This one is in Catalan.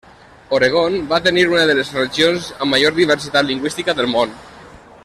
Oregon va tenir una de les regions amb major diversitat lingüística del món.